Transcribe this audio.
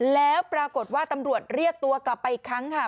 แล้วปรากฏว่าตำรวจเรียกตัวกลับไปอีกครั้งค่ะ